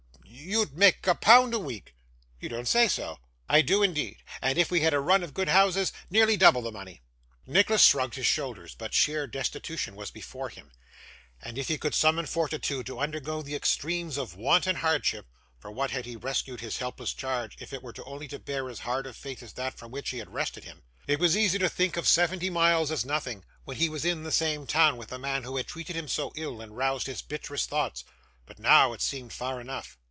you'd make a pound a week!' 'You don't say so!' 'I do indeed, and if we had a run of good houses, nearly double the money.' Nicholas shrugged his shoulders; but sheer destitution was before him; and if he could summon fortitude to undergo the extremes of want and hardship, for what had he rescued his helpless charge if it were only to bear as hard a fate as that from which he had wrested him? It was easy to think of seventy miles as nothing, when he was in the same town with the man who had treated him so ill and roused his bitterest thoughts; but now, it seemed far enough.